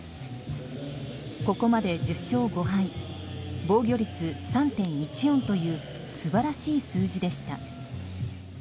ここまで１０勝５敗防御率３．１４という素晴らしい数字でした。